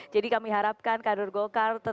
jadi kami harapkan kader golkar